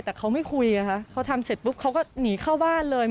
แต่เขาไม่คุยไงคะเขาทำเสร็จปุ๊บเขาก็หนีเข้าบ้านเลย